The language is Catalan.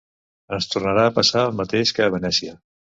Ens tornarà a passar el mateix que a Venècia.